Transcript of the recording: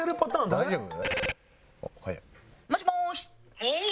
大丈夫？